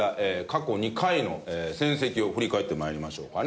過去２回の戦績を振り返って参りましょうかね。